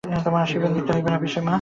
তোমার আশীর্বাদ মিথ্যা হইবে না, পিসিমা।